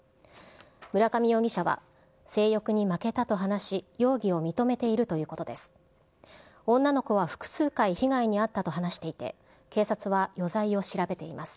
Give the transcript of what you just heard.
村上容疑者は、性欲に負けたと話し、容疑を認めているということです。